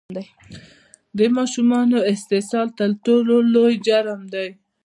د ماشومانو استحصال تر ټولو لوی جرم دی!